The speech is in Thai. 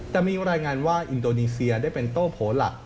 แต่มีรายงานว่าอินโดนีเซียได้เป็นโต้โผล่หลัก